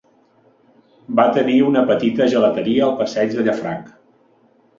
Va tenir una petita gelateria al passeig de Llafranc.